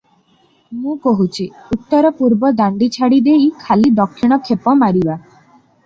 ମୁଁ କହୁଛି, ଉତ୍ତର ପୂର୍ବ ଦାଣ୍ଡି ଛାଡ଼ି ଦେଇ ଖାଲି ଦକ୍ଷିଣ ଖେପ ମାରିବା ।